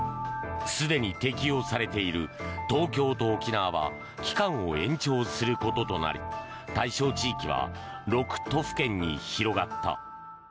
すでに適用されている東京と沖縄は期間を延長することとなり対象地域は６都府県に広がった。